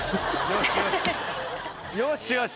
よしよし。